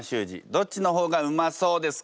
どっちの方がうまそうですか？